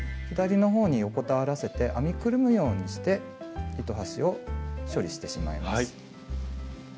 左の方に横たわらせて編みくるむようにして糸端を処理してしまいます。